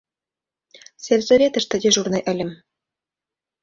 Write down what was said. — Сельсоветыште дежурный ыльым.